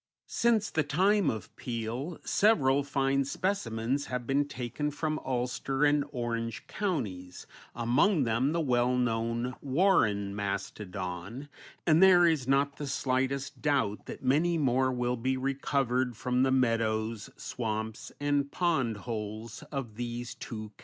Since the time of Peale several fine specimens have been taken from Ulster and Orange Counties, among them the well known "Warren Mastodon," and there is not the slightest doubt that many more will be recovered from the meadows, swamps, and pond holes of these two counties.